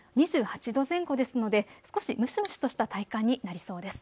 ２８度前後ですので少し蒸し蒸しとした体感になりそうです。